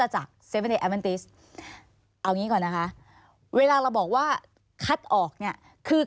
หรือความหมายคือ